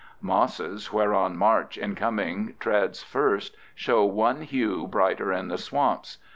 Mosses, whereon March in coming treads first, show one hue brighter in the swamps.